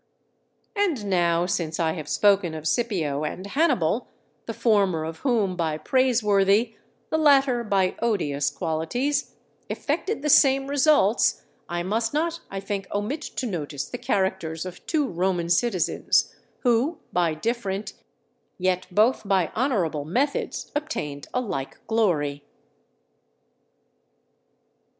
And now, since I have spoken of Scipio and Hannibal, the former of whom by praiseworthy, the latter by odious qualities, effected the same results, I must not, I think, omit to notice the characters of two Roman citizens, who by different, yet both by honourable methods, obtained a like glory.